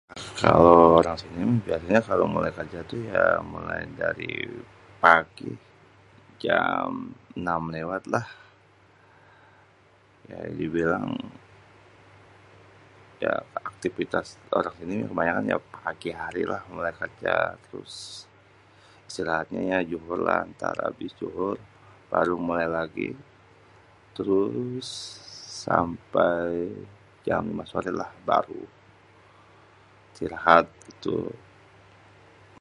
Kalo orang sini mah biasanya kalo mulai kérja tu ya mulai dari pagi jam enam léwatlah. Ya dibilang ya aktipitas orang sini kebanyakan ya pagi hari lah, mulai kerja. Terus istirahatnya ya Juhur lah. Ntar abis Juhur baru mulai lagi terus sampai jam lima sore lah baru istirahat gitu.